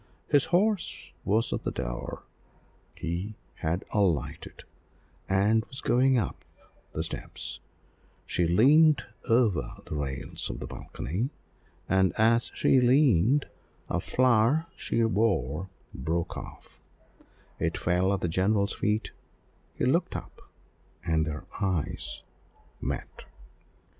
His horse was at the door, he had alighted, and was going up the steps; she leaned over the rails of the balcony, and as she leaned, a flower she wore broke off it fell at the general's feet: he looked up, and their eyes met.